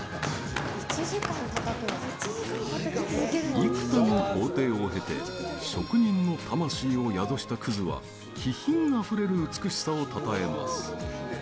幾多の工程を経て職人の魂を宿した葛は気品あふれる美しさをたたえます。